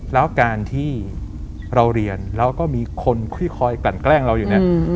แล้วการที่เราเรียนแล้วก็มีคนค่อยกลั่นแกล้งเราอยู่เนี่ย